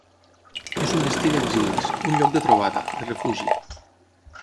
És un destí d’exilis, un lloc de trobada, de refugi.